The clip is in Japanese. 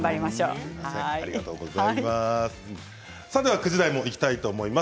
９時台もいきたいと思います。